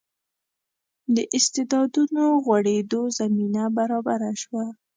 د استعدادونو غوړېدو زمینه برابره شوه.